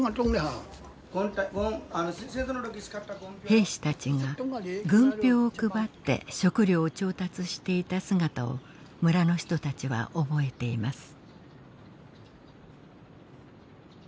兵士たちが軍票を配って食糧を調達していた姿を村の人たちは覚えています。